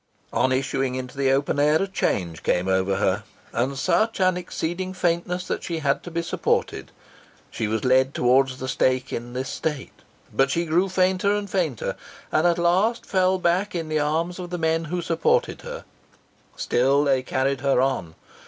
On issuing into the open air a change came over her, and such an exceeding faintness that she had to be supported. She was led towards the stake in this state; but she grew fainter and fainter, and at last fell back in the arms of the men that supported her. Still they carried her on.